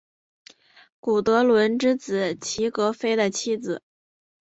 古德伦之子齐格菲的妻子。